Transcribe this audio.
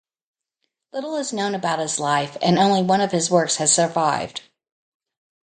Little is known about his life and only one of his works has survived.